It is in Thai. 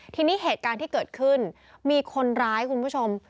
ทีนี้เหตุการณ์ที่เกิดขึ้นมีคนร้ายคุณผู้ชม